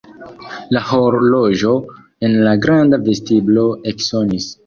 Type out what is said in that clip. La horloĝo en la granda vestiblo eksonis.